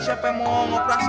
siapa mau ngoperasi